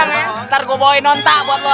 ntar gue bawain nontak buat lo